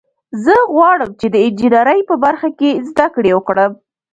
زه غواړم چې د انجینرۍ په برخه کې زده کړه وکړم